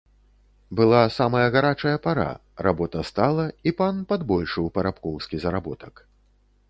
Была самая гарачая пара, работа стала, і пан падбольшыў парабкоўскі заработак.